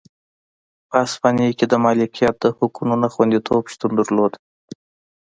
په هسپانیا کې د مالکیت د حقونو نه خوندیتوب شتون درلود.